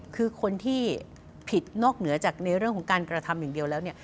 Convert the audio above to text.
คือคนที่ผิดนอกเหนือจากในเรื่องของการกระทำอย่างเดียวแล้วเนี่ย